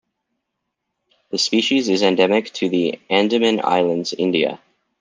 The species is endemic to the Andaman Islands, India.